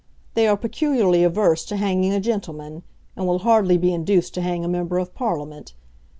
They are peculiarly averse to hanging a gentleman, and will hardly be induced to hang a member of Parliament.